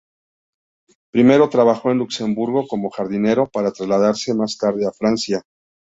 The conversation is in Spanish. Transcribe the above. Primero trabajó en Luxemburgo como jardinero, para trasladarse más tarde a Francia.